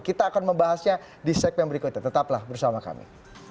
kita akan membahasnya di segmen berikutnya tetaplah bersama kami